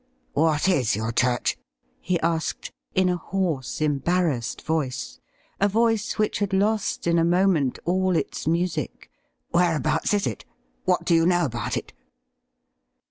' What is your church .?'' he asked, in a hoarse, embar rassed voice — a voice which had lost in a moment all its music ; 'whereabouts is it ? What do you know about it